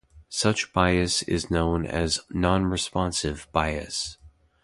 Such bias is known as nonresponse bias.